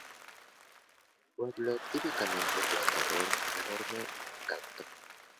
Pueblo típicamente pescador con enorme encanto.